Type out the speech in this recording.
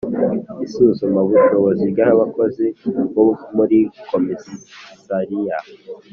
isuzumabushobozi ry abakozi bo muri Komisariya